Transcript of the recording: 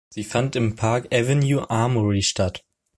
Sie fand im Park Avenue Armory statt.